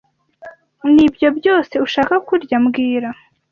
Nibyo byose ushaka kurya mbwira